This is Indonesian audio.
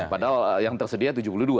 padahal yang tersedia tujuh puluh dua